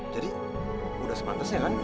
jadi udah sepantes ya kan